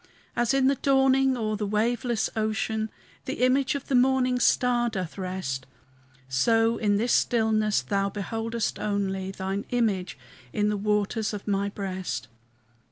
As in the dawning o'er the waveless ocean The image of the morning star doth rest, So in this stillness Thou beholdest only Thine image in the waters of my breast.